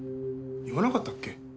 言わなかったっけ？